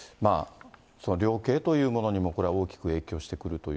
量刑というものにもこれは大きく影響してくるという。